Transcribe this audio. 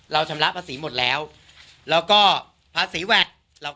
ชำระภาษีหมดแล้วแล้วก็ภาษีแวด